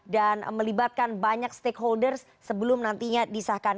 dan melibatkan banyak stakeholders sebelum nantinya disahkan